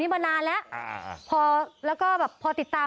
มานานแล้วอ่าพอแล้วก็แบบพอติดตาม